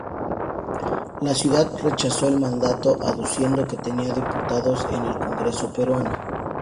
La ciudad rechazó el mandato, aduciendo que tenía diputados en el Congreso peruano.